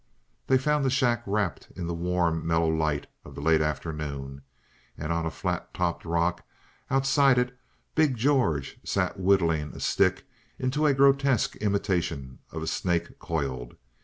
They found the shack wrapped in the warm, mellow light of the late afternoon; and on a flat topped rock outside it big George sat whittling a stick into a grotesque imitation of a snake coiled.